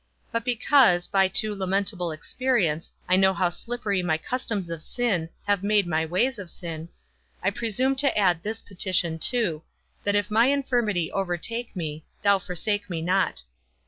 But because, by too lamentable experience, I know how slippery my customs of sin have made my ways of sin, I presume to add this petition too, that if my infirmity overtake me, thou forsake me not.